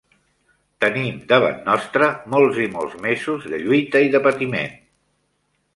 Tenim davant nostre molts i molts mesos de lluita i de patiment.